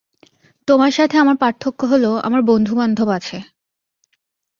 তোমার সাথে আমার পার্থক্য হলো, আমার বন্ধু-বান্ধব আছে।